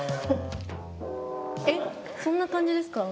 えっそんな感じですか？